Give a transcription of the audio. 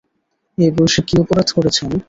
এই বয়সে কী অপরাধ করেছে উনি?